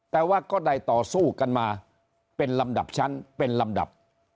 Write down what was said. แต่ว่าก็ได้ต่อสู้กันมาเป็นลำดับชั้นเป็นลำดับ